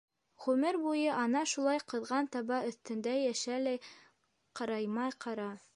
Ғүмер буйы ана шулай ҡыҙған таба өҫтөндә йәшә лә ҡараймай ҡара.